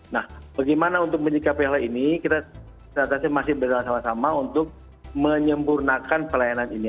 nah bagaimana untuk menjaga pla ini kita seharusnya masih bersama sama untuk menyempurnakan pelayanan ini